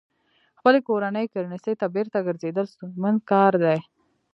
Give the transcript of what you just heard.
خپلې کورنۍ کرنسۍ ته بېرته ګرځېدل ستونزمن کار دی.